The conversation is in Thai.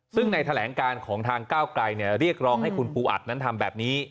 ซึ่งในแถลงการของทางก้าวไกลเรียกร้องให้คุณปูอัดนั้นทำแบบนี้